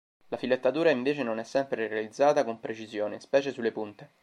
La filettatura invece non è sempre realizzata con precisione, specie sulle punte.